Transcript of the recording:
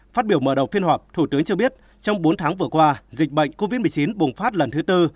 phát biểu mở đầu phiên họp thủ tướng cho biết trong bốn tháng vừa qua dịch bệnh covid một mươi chín bùng phát lần thứ tư